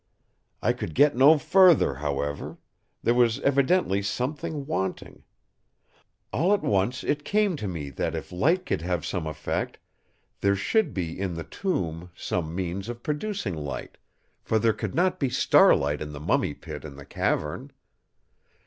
"'I could get no further, however. There was evidently something wanting. All at once it came to me that if light could have some effect there should be in the tomb some means of producing light, for there could not be starlight in the Mummy Pit in the cavern.